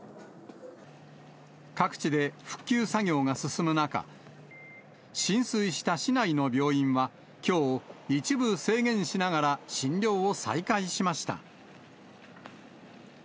各地で復旧作業が進む中、浸水した市内の病院はきょう、一部制限しながら診療を再開しました。